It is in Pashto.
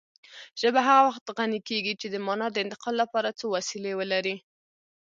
ژبه هغه وخت غني کېږي چې د مانا د انتقال لپاره څو وسیلې ولري